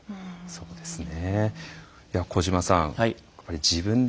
そうですね。